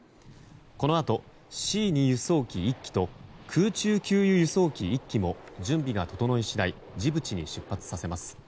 このあと、Ｃ２輸送機１機と空中給油・輸送機１機も準備が整い次第ジブチに出発させます。